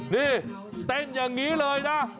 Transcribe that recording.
นี่เต้นอย่างนี้เลยนะ